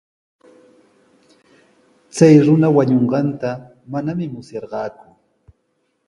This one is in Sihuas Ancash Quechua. Chay runa wañunqanta manami musyarqaaku.